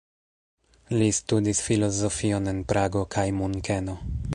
Li studis filozofion en Prago kaj Munkeno.